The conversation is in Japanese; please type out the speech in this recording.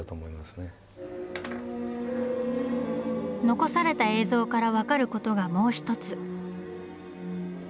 残された映像から分かることがもう１つ。